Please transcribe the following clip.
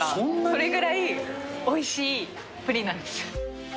それぐらいおいしいプリンなんです。